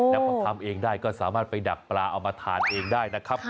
แล้วพอทำเองได้ก็สามารถไปดักปลาเอามาทานเองได้นะครับ